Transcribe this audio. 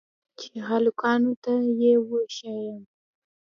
چې هلکانو ته يې وښييم.